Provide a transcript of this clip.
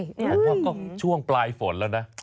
ผมว่าก็ช่วงปลายฝนแล้วนะ